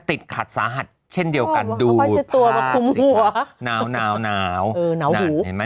ติดขัดสาหัสเช่นเดียวกันดูภาพสิครับ